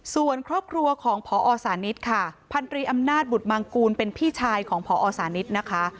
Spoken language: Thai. ส่วนครอบครัวของพอสานิทค่ะพันธรีอำนาจบุตรมังกูลเป็นพี่ชายของพอสานิทนะคะ